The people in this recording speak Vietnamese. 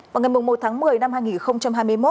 vào ngày một tháng một mươi năm hai nghìn hai mươi một